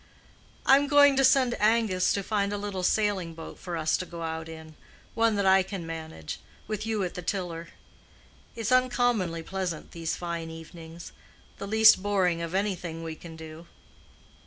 "I'm going to send Angus to find a little sailing boat for us to go out in; one that I can manage, with you at the tiller. It's uncommonly pleasant these fine evenings—the least boring of anything we can do."